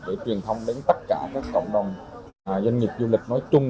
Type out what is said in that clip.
để truyền thông đến tất cả các cộng đồng doanh nghiệp du lịch nói chung